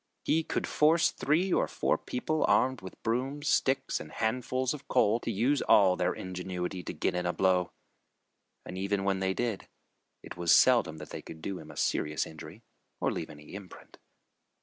He could force three or four people armed with brooms, sticks and handfuls of coal, to use all their ingenuity to get in a blow. And even when they did, it was seldom that they could do him a serious injury or leave any imprint.